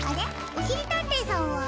おしりたんていさんは？